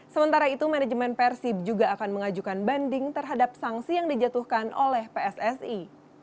sementara itu manajemen persib juga akan mengajukan banding terhadap sanksi yang dijatuhkan oleh pssi